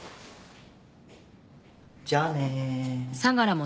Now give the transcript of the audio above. じゃあね。